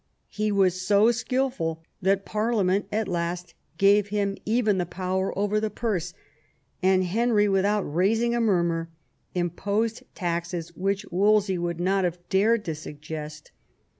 He was so skilful that Parliament at last gave him even the power over the purse, and Henry, without raising a murmur, im posed taxes which Wolsey would not have dared to suggest.